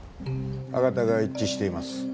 歯型が一致しています。